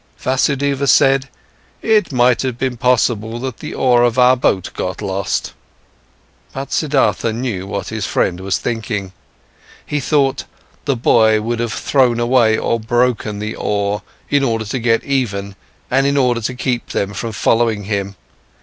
Vasudeva said: "It might have been possible that the oar of our boat got lost." But Siddhartha knew what his friend was thinking. He thought, the boy would have thrown away or broken the oar in order to get even and in order to keep them from following him.